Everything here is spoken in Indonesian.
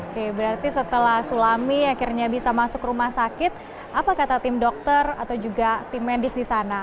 oke berarti setelah sulami akhirnya bisa masuk rumah sakit apa kata tim dokter atau juga tim medis di sana